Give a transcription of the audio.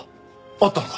あったのか？